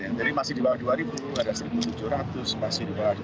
jadi masih di bawah dua ribu ada seribu tujuh ratus masih di bawah dua ribu